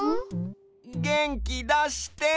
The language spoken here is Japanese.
げんきだして！